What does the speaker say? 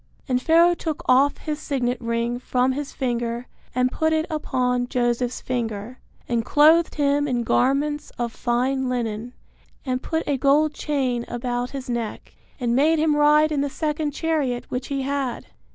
And Pharaoh took off his signet ring from his finger and put it upon Joseph's finger, and clothed him in garments of fine linen, and put a gold chain about his neck, and made him ride in the second chariot which he had.